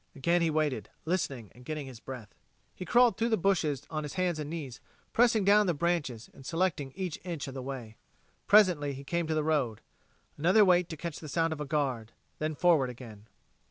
Again he waited, listening and getting his breath. He crawled through the bushes on his hands and knees, pressing down the branches and selecting each inch of the way. Presently he came to the road. Another wait to catch the sound of a guard. Then forward again.